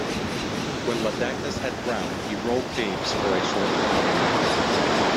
When Labdacus had grown, he ruled Thebes for a short time.